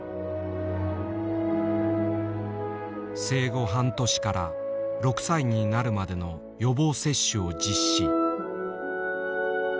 生後半年から６歳になるまでの予防接種を実施。